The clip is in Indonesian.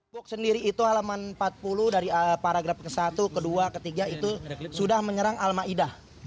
buk sendiri itu halaman empat puluh dari paragraf ke satu ke dua ke tiga itu sudah menyerang almaidah